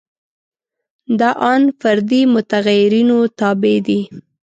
دا ان فردي متغیرونو تابع دي.